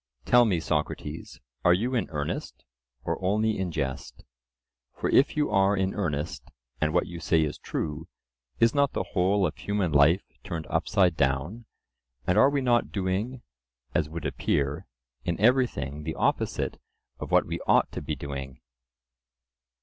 Tell me, Socrates, are you in earnest, or only in jest? For if you are in earnest, and what you say is true, is not the whole of human life turned upside down; and are we not doing, as would appear, in everything the opposite of what we ought to be doing?